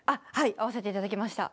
会わせていただきました。